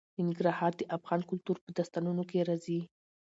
ننګرهار د افغان کلتور په داستانونو کې راځي.